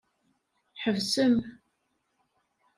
Ḥebsem!